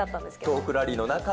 トークラリーの中で。